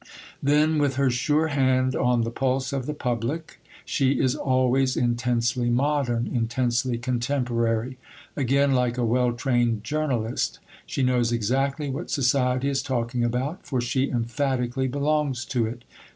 Then, with her sure hand on the pulse of the public, she is always intensely modern, intensely contemporary; again like a well trained journalist. She knows exactly what Society is talking about, for she emphatically belongs to it.